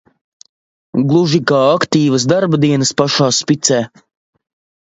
Gluži kā aktīvas darba dienas pašā spicē.